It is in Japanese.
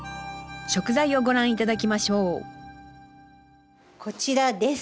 食材をご覧頂きましょうこちらです。